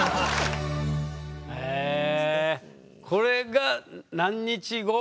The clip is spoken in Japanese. へえこれが何日後？